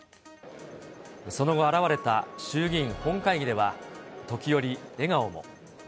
その後現れた衆議院本会議では、時折笑顔も。